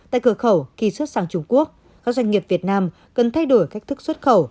tại cửa khẩu khi xuất sang trung quốc các doanh nghiệp việt nam cần thay đổi cách thức xuất khẩu